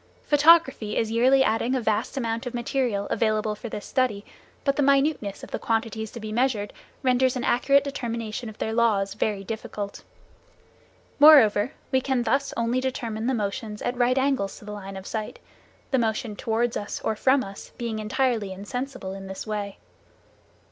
Photography is yearly adding a vast amount of material available for this study, but the minuteness of the quantities to be measured renders an accurate determination of their laws very difficult. Moreover, we can thus only determine the motions at right angles to the line of sight, the motion towards us or from us being entirely insensible in this way.